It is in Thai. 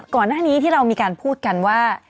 ก่อนหน้านี้ที่เรามีการพูดกันว่า